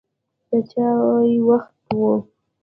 د چای وخت و.